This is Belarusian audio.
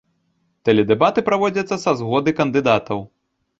Тэледэбаты праводзяцца са згоды кандыдатаў.